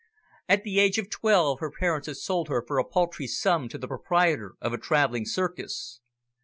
At the age of twelve her parents had sold her for a paltry sum to the proprietor of a travelling circus.